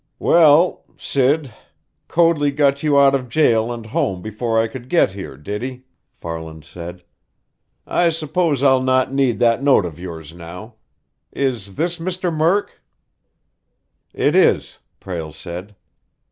"Well, Sid, Coadley got you out of jail and home before I could get here, did he?" Farland said. "I suppose I'll not need that note of yours now. Is this Mr. Murk?" "It is," Prale said.